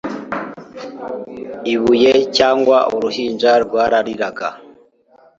ibuye cyangwa uruhinja rwarariraga